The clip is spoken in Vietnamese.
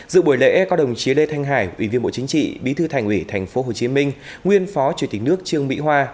dự buổi lễ có đồng chí lê thanh hải ủy viên bộ chính trị bí thư thành ủy tp hcm nguyên phó chủ tịch nước trương mỹ hoa